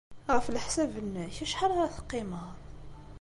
Ɣef leḥsab-nnek, acḥal ara teqqimeḍ?